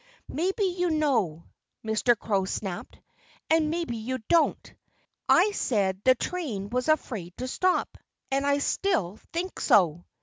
"Maybe you know," Mr. Crow snapped. "And maybe you don't. I said the train was afraid to stop. And I still think so."